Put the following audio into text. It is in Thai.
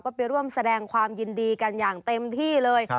ก็ไปร่วมแสดงความยินดีกันอย่างเต็มที่เลย